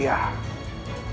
aku memiliki rahasia